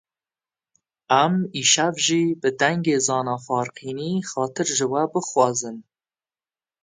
Em îşev jî bi dengê Zana Farqînî xatir ji we bixwazin